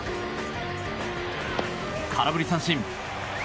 空振り三振。